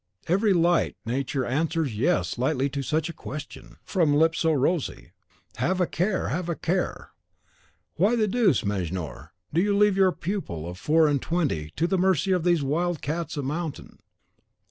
Every light nature answers "yes" lightly to such a question from lips so rosy! Have a care, have a care! Why the deuce, Mejnour, do you leave your pupil of four and twenty to the mercy of these wild cats a mountain!